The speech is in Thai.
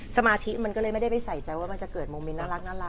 สมาธิมันก็เลยไม่ได้ไปใส่ใจว่ามันจะเกิดโมเมนต์น่ารัก